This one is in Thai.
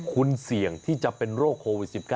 คุณเสี่ยงที่จะเป็นโรคโควิด๑๙